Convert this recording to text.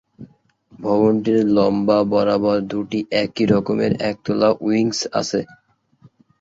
ভবনটির লম্বা বরাবর দুটি একই রকমের একতলা উইংস আছে।